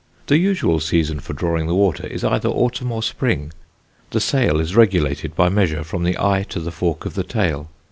The usual season for drawing the water is either Autumn or Spring: the sale is regulated by measure, from the eye to the fork of the tail.